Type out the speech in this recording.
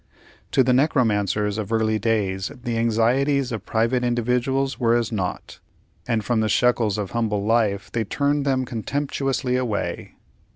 To the necromancers of early days the anxieties of private individuals were as naught, and from the shekels of humble life they turned them contemptuously away.